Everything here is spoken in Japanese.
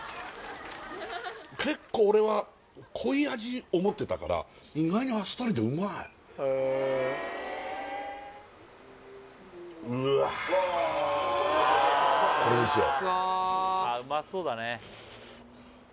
結構俺は濃い味思ってたから意外にあっさりでうまいうわこれですよ